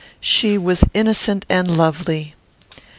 She was innocent and lovely.